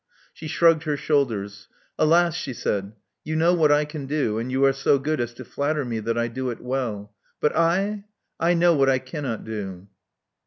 " She shrugged her shoulders. '*Alas!" she said, *'you know what I can do; and you are so good as to flatter me that I do it well. But I ! I know what I cannot do."